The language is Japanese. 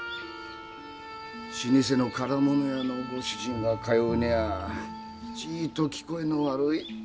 老舗の唐物屋のご主人が通うにはちいと聞こえの悪い家ですがね。